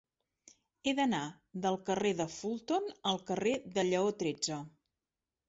He d'anar del carrer de Fulton al carrer de Lleó tretze.